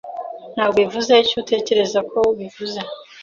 Ntabwo bivuze icyo utekereza ko bivuze.